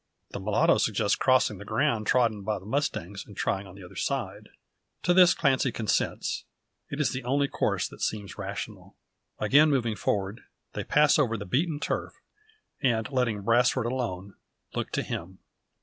The mulatto suggests crossing the ground trodden by the mustangs, and trying on the other side. To this Clancy consents. It is the only course that seems rational. Again moving forward, they pass over the beaten turf; and, letting Brasfort alone, look to him.